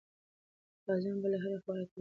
غازیان به له هرې خوا راټولېږي.